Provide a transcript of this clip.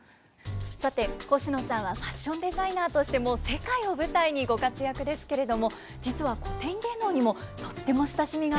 さてコシノさんはファッションデザイナーとしても世界を舞台にご活躍ですけれども実は古典芸能にもとっても親しみがあるそうですね。